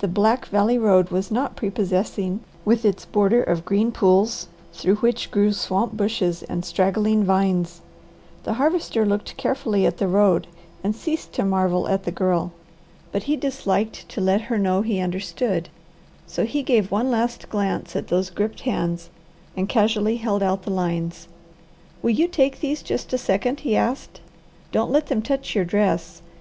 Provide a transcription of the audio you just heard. The black valley road was not prepossessing, with its border of green pools, through which grew swamp bushes and straggling vines. The Harvester looked carefully at the road, and ceased to marvel at the Girl. But he disliked to let her know he understood, so he gave one last glance at those gripped hands and casually held out the lines. "Will you take these just a second?" he asked. "Don't let them touch your dress.